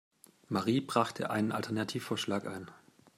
Marie brachte einen Alternativvorschlag ein.